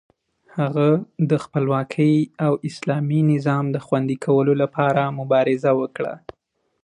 هغه د خپلواکۍ او اسلامي نظام د خوندي کولو لپاره مبارزه وکړه.